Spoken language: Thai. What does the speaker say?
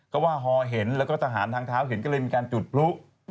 ก็ว่าฮอเห็นแล้วก็ทหารทางเท้าเห็นก็เลยมีการจุดพลุ